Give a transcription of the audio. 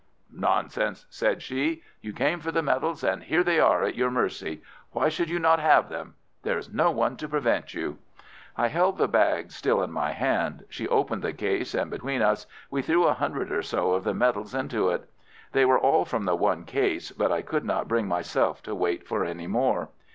"Nonsense!" said she. "You came for the medals, and here they are at your mercy. Why should you not have them? There is no one to prevent you." I held the bag still in my hand. She opened the case, and between us we threw a hundred or so of the medals into it. They were all from the one case, but I could not bring myself to wait for any more.